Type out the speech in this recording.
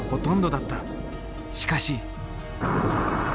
しかし。